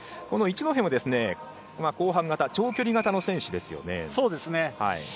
この一戸も後半型長距離型の選手ですよね。